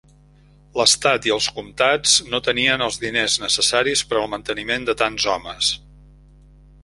L'estat i els comtats no tenien els diners necessaris per al manteniment de tants homes.